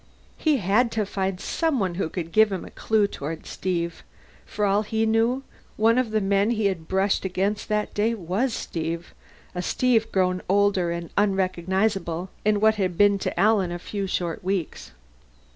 He had to find someone who could give him a clue toward Steve. For all he knew, one of the men he had brushed against that day was Steve a Steve grown older and unrecognizable in what had been, to Alan, a few short weeks.